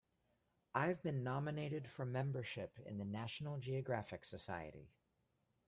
I've been nominated for membership in the National Geographic Society.